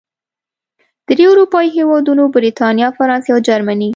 درې اروپايي هېوادونو، بریتانیا، فرانسې او جرمني